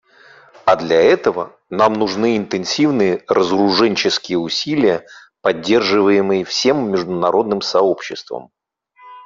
А для этого нам нужны интенсивные разоруженческие усилия, поддерживаемые всем международным сообществом.